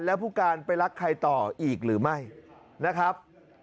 แล้วผู้การไปรักใครต่ออีกหรือไม่นะครับ